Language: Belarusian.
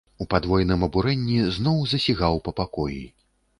У падвойным абурэнні зноў засігаў па пакоі.